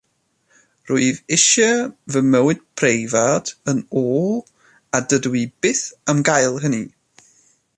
Rwyf eisiau fy mywyd preifat yn ôl a dydw i byth am gael hynny.